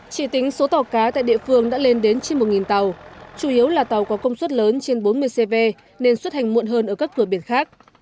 chỉ tính số tàu cá tại địa phương đã lên đến trên một tàu chủ yếu là tàu có công suất lớn trên bốn mươi cv nên xuất hành muộn hơn ở các cửa biển khác